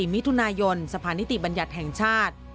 มิถุนายนสะพานิติบัญญัติแห่งชาติ